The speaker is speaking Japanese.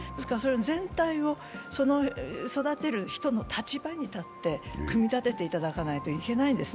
全体を育てる人の立場に立って組み立てていただかないといけないわけです。